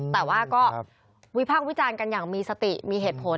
แต่ว่าก็วิพากษ์วิจารณ์กันอย่างมีสติมีเหตุผล